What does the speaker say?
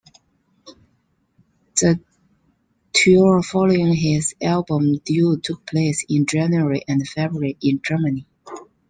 The tour following his album "Due" took place in January and February in Germany.